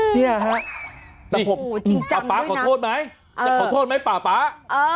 เนี่ยฮะจริงจำด้วยนะป๊าป๊าขอโทษไหมจะขอโทษไหมป๊าป๊า